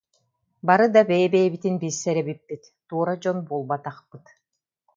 Бары да бэйэ-бэйэбитин билсэр эбиппит, туора дьон буолбатахпыт